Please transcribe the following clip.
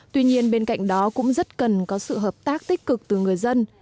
tuy nhiên bên cạnh đó cũng rất cần có sự hợp tác tích cực từ người dân